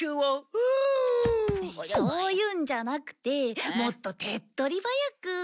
ねえそういうんじゃなくてもっと手っ取り早く。